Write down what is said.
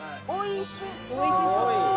おいしい。